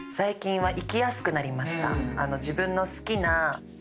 はい。